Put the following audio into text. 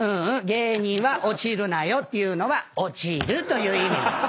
芸人は落ちるなよっていうのは落ちるという意味。